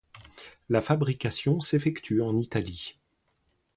La fabrication s'effectue en Italie.